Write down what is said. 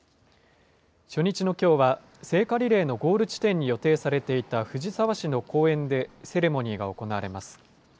初日のきょうは聖火リレーのゴール地点に予定されていた藤沢市の公園でセレモニーが行われます。